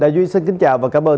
đại dương xin kính chào và cảm ơn